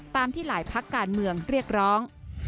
ตามที่หลายพักการเมืองเรียกร้อง